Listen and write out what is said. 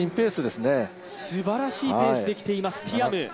すばらしいペースできています、ティアム。